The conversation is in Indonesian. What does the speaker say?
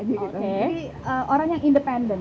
jadi orang yang independen